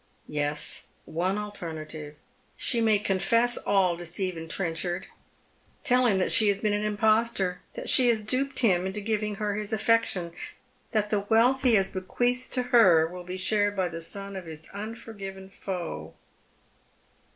Yes, one alternative. She may confess all 26§ Head MerHs Shoes. to Stephen Trenchard — tell him that she has been an irapoetor— that she has duped him into giving her his affection — that th«» wealth he has bequeathed to her will be shared by the son of his unforgiven foe.